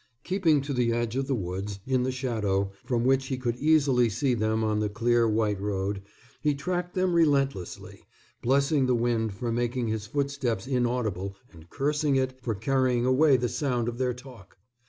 Keeping to the edge of the woods, in the shadow, from which he could easily see them on the clear white road, he tracked them relentlessly, blessing the wind for making his footsteps inaudible and cursing it for carrying away the sound of their talk.